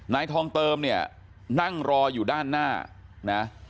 นายทองเติมเนี่ยนั่งรออยู่ด้านหน้านะ